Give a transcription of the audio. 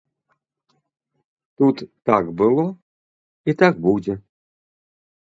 Тут так было, і так будзе.